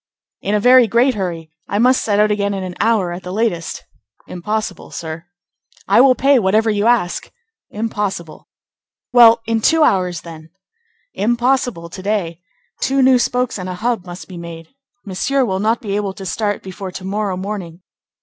"In a very great hurry. I must set out again in an hour at the latest." "Impossible, sir." "I will pay whatever you ask." "Impossible." "Well, in two hours, then." "Impossible to day. Two new spokes and a hub must be made. Monsieur will not be able to start before to morrow morning."